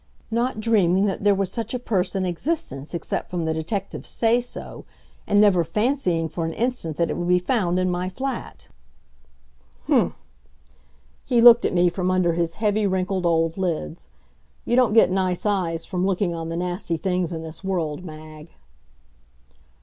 "Not dreaming that there was such a purse in existence except from the detective's say so, and never fancying for an instant that it would be found in my flat." "Hm!" He looked at me from under his heavy, wrinkled old lids. You don't get nice eyes from looking on the nasty things in this world, Mag.